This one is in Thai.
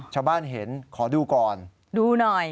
ชาวบ้านเห็นขอดูก่อนดูหน่อย